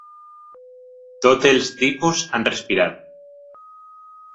Tots els tipus han respirat.